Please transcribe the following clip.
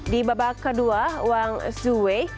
di babak kedua wang suwe